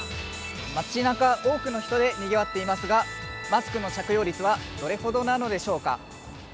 街なか、多くの人でにぎわっていますが、マスクの着用率はどれほどなのでしょうか？